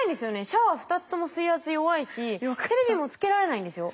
シャワー２つとも水圧弱いしテレビもつけられないんですよ。